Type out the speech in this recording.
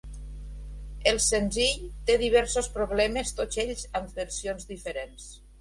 El senzill té diversos problemes, tots ells amb versions diferents.